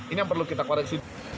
ini yang perlu kita koreksi